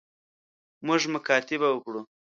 موږ مکاتبه وکړو.